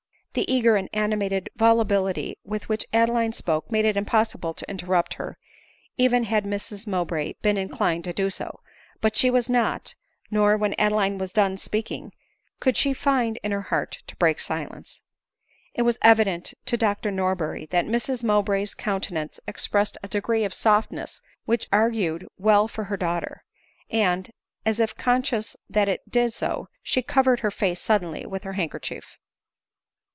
The eager and animated volubility with which Adeline spoke made it impossible to interrupt her, even had Mrs Mowbray been inclined to do so ; but she was not, nor, when Adeline had done speaking, could she find in her heart to break silence. It was evident to Dr Norberry that Mrs Mowbray's countenance expressed a degree of softness which augur ed well for her daughter ; and^ as if conscious that it did so, she covered her face suddenly with her handkerchief.